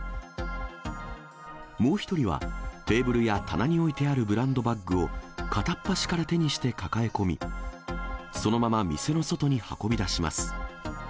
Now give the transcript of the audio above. もう１人は、テーブルや棚に置いてあるブランドバッグを片っ端から手にして抱え込み、そのまま店の外に運び出します。